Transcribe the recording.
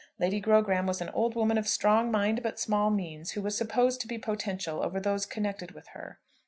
Lady Grogram was an old woman of strong mind but small means, who was supposed to be potential over those connected with her.